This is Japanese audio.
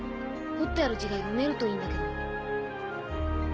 ほってある字が読めるといいんだけど。